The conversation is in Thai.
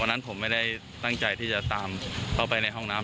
นั้นผมไม่ได้ตั้งใจที่จะตามเข้าไปในห้องน้ำ